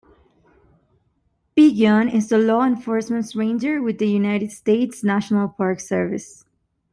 Pigeon is a law enforcement ranger with the United States National Park Service.